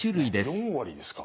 ４割ですか？